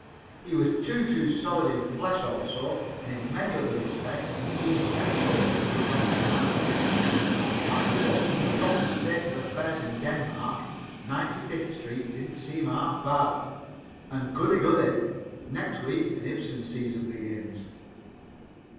He was too, too solid in flesh, also, and in many other respects he seemed ever so much worse off than I was. After watching the rotten state of affairs in Denmark, Ninety fifth Street didn't seem half bad. And, goody, goody! next week an Ibsen season begins!